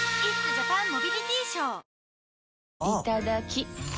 いただきっ！